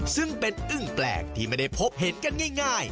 ซึ่งเป็นอึ้งแปลกที่ไม่ได้พบเห็นกันง่าย